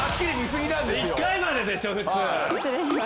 １回まででしょ普通。